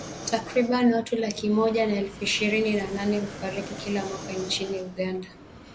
Takriban watu laki moja na elfu ishirini na nane hufariki kila mwaka nchini Uganda.